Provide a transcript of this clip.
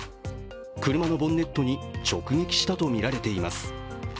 車のボンネットに直撃したとみられています。